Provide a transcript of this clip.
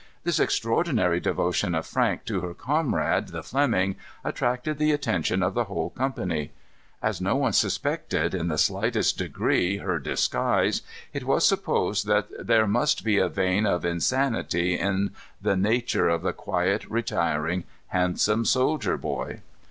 This extraordinary devotion of Frank to her comrade the Fleming, attracted the attention of the whole company. As no one suspected, in the slightest degree, her disguise, it was supposed that there must be a vein of insanity in the nature of the quiet, retiring, handsome soldier boy.